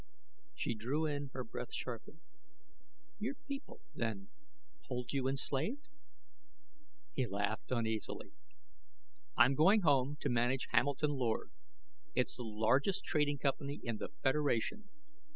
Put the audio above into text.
She drew in her breath sharply. "Your people, then, hold you enslaved?" He laughed uneasily. "I'm going home to manage Hamilton Lord; it's the largest trading company in the Federation.